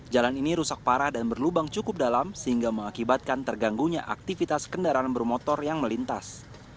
jalan ini rusak parah dan berlubang cukup dalam sehingga mengakibatkan terganggunya aktivitas kendaraan bermotor yang melintas